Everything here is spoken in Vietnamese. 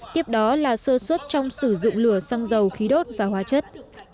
tiếp đó là sơ xuất trong sử dụng lửa xăng dầu khí đốt và hóa chất